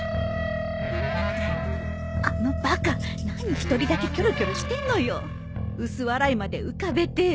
あのバカ何一人だけキョロキョロしてんのよ薄笑いまで浮かべて